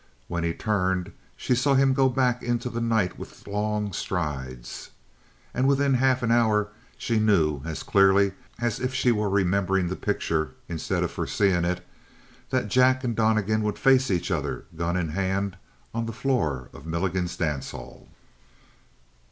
When he turned, she saw him go back into the night with long strides, and within half an hour she knew, as clearly as if she were remembering the picture instead of foreseeing it, that Jack and Donnegan would face each other gun in hand on the floor of Milligan's dance hall.